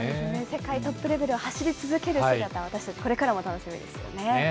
世界トップレベルを走り続ける姿を、私たち、これからも楽しみですよね。